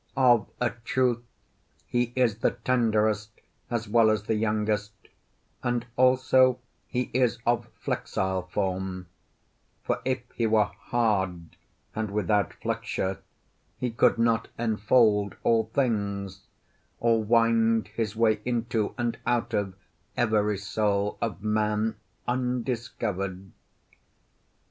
Of a truth he is the tenderest as well as the youngest, and also he is of flexile form; for if he were hard and without flexure he could not enfold all things, or wind his way into and out of every soul of man undiscovered.